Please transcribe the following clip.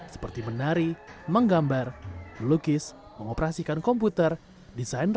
seperti menari menggambar melukis mengoperasikan komputer dan membuat komputer